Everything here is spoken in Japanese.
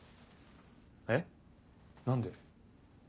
えっ何で？